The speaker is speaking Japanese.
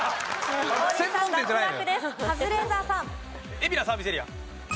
海老名サービスエリア。